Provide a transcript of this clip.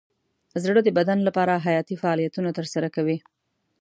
زړه د بدن لپاره حیاتي فعالیتونه ترسره کوي.